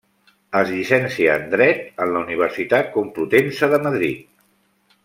Es llicencia en Dret en la Universitat Complutense de Madrid.